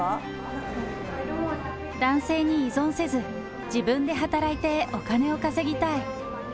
男性に依存せず、自分で働いて、お金を稼ぎたい。